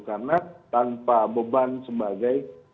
karena tanpa beban sebagai